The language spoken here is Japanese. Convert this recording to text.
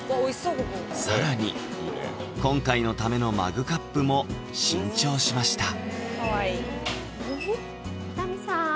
ここ更に今回のためのマグカップも新調しましたおや？